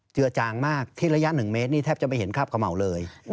เจือจางมากที่ระยะ๑เมตรนี่แทบจะไม่เห็นคราบขม่าเลย